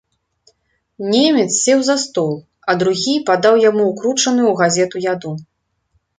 Немец сеў за стол, а другі падаў яму ўкручаную ў газету яду.